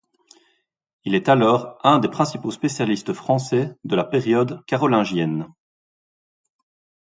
Il est alors un des principaux spécialistes français de la période carolingienne.